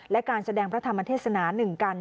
และการแสดงพระธรรมเทศนาหนึ่งกัน